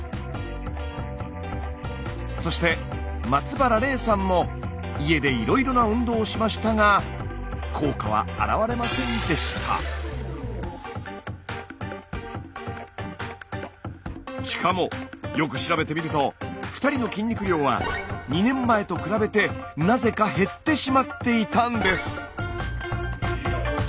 そして松原黎さんも家でいろいろな運動をしましたがしかもよく調べてみると２人の筋肉量は２年前と比べてなぜか減ってしまっていたんです。